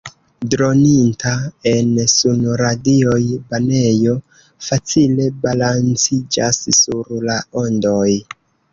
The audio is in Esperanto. Droninta en sunradioj banejo facile balanciĝas sur la ondoj.